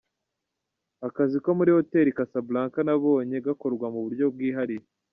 Akazi ko muri hoteli i Casablanca nabonye gakorwa mu buryo bwihariye.